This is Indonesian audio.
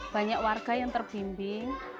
banyak warga yang terbimbing